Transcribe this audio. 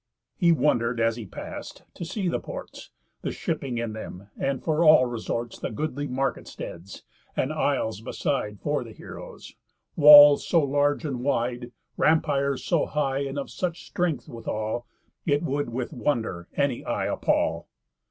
He wonder'd, as he past, to see the ports; The shipping in them; and for all resorts The goodly market steads; and aisles beside For the heroës; walls so large and wide; Rampires so high, and of such strength withall, It would with wonder any eye appall.